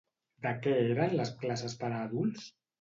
De què eren les classes per a adults?